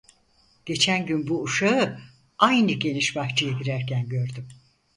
Geçen gün bu uşağı aynı geniş bahçeye girerken gördüm.